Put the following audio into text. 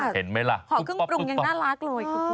เห็นไหมล่ะตุ๊กตุ๊กตุ๊กตุ๊กหอขึ้นปรุงยังน่ารักเลย